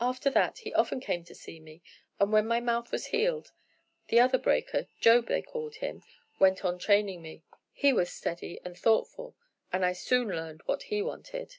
"After that he often came to see me, and when my mouth was healed, the other breaker, Job, they called him, went on training me; he was steady and thoughtful, and I soon learned what he wanted."